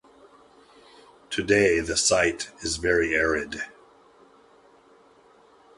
Today the site is very arid.